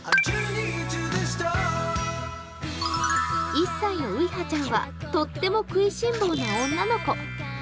⁉１歳のういはちゃんはとっても食いしん坊な女の子。